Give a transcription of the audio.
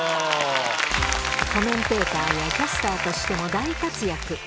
コメンテーターやキャスターとしても大活躍